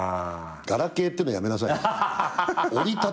ガラケーって言うのやめなさい。